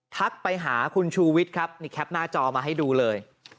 ทักไปหาคุณชูวิทย์ครับนี่แคปหน้าจอมาให้ดูเลย